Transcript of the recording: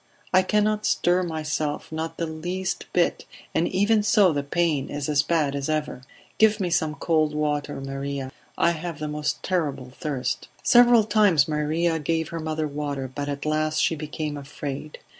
I cannot stir myself, not the least bit, and even so the pain is as bad as ever. Give me some cold water, Maria; I have the most terrible thirst." Several times Maria gave her mother water, but at last she became afraid.